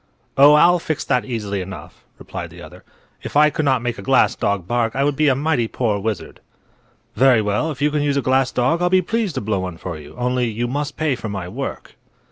"Oh, I'll fix that easily enough," replied the other. "If I could not make a glass dog bark I would be a mighty poor wizard." "Very well; if you can use a glass dog I'll be pleased to blow one for you. Only, you must pay for my work."